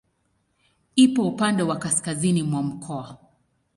Ipo upande wa kaskazini mwa mkoa.